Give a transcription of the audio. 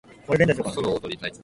決勝でソロを踊りたい